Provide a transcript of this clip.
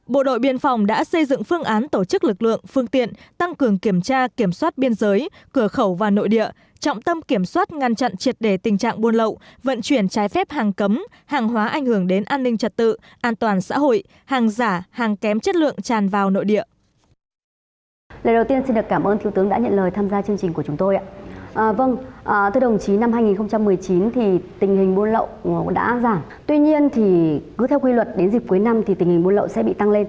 bộ đội biên phòng đã xây dựng phương án tổ chức lực lượng phương tiện tăng cường kiểm tra kiểm soát biên giới cửa khẩu và nội địa trọng tâm kiểm soát ngăn chặn triệt đề tình trạng buôn lậu vận chuyển trái phép hàng cấm hàng hóa ảnh hưởng đến an ninh trật tự an toàn xã hội hàng giả hàng kém chất lượng tràn vào nội địa